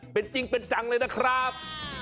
เป็นจริงเป็นจังเลยนะครับ